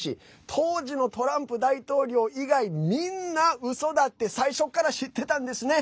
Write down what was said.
当時のトランプ大統領以外みんな、うそだって最初から知ってたんですね。